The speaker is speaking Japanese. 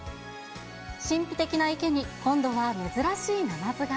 神秘的な池に今度は珍しいナマズが。